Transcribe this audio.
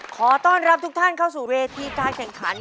ขอต้อนรับทุกท่านเข้าสู่เวทีการแข่งขัน